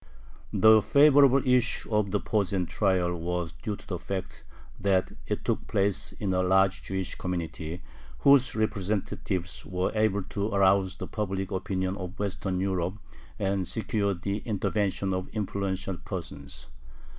The favorable issue of the Posen trial was due to the fact that it took place in a large Jewish community, whose representatives were able to arouse the public opinion of Western Europe and secure the intervention of influential persons.